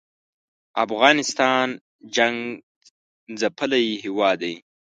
افغانستان جنګ څپلی هېواد دی